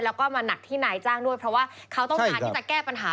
แล้วก็มาหนักที่นายจ้างด้วยเพราะว่าเขาต้องการที่จะแก้ปัญหา